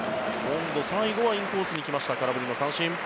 最後はインコースに来ました空振りの三振。